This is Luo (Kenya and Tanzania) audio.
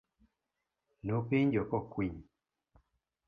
Nopenjo kokwiny.